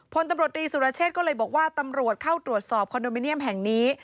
พลตำรวจรีสุรเชษก็เลยบอกว่าตำรวจเข้าตรวจสอบคอนโดมิเนียมแห่งนี้